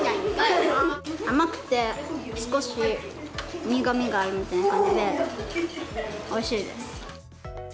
甘くて、少し苦みがあるみたいな感じで、おいしいです。